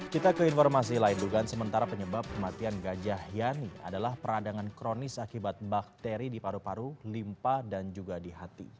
kita ke informasi lain dugaan sementara penyebab kematian gajah yani adalah peradangan kronis akibat bakteri di paru paru limpa dan juga di hati